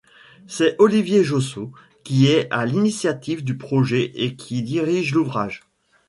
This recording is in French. C'est Olivier Josso qui est à l'initiative du projet et qui dirige l'ouvrage.